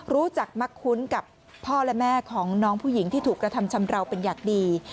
รู้จักมักคุ้นกับพ่อและแม่ของน้องผู้หญิงที่ถูกกระทำชำราวเป็นอย่างดี